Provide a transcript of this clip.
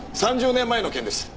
３０年前の件です。